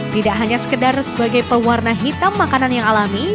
tidak hanya sekedar sebagai pewarna hitam makanan yang alami